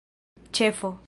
ĉefo